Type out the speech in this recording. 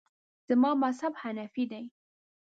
زما مذهب حنیفي دی.